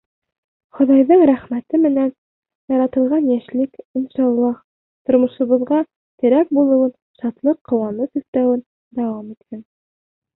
Хоҙайҙың рәхмәте менән яратылған йәшеллек, иншаллаһ, тормошобоҙға терәк булыуын, шатлыҡ-ҡыуаныс өҫтәүен дауам итһен.